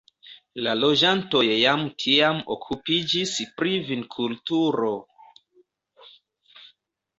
La loĝantoj jam tiam okupiĝis pri vinkulturo.